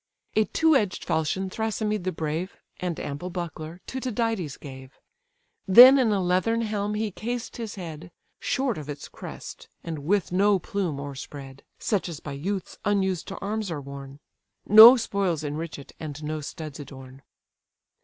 A two edged falchion Thrasymed the brave, And ample buckler, to Tydides gave: Then in a leathern helm he cased his head, Short of its crest, and with no plume o'erspread: (Such as by youths unused to arms are worn:) No spoils enrich it, and no studs adorn.